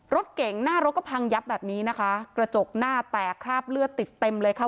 รถเก่งหน้ารถก็พังยับแบบนี้นะคะกระจกหน้าแตกคราบเลือดติดเต็มเลยค่ะ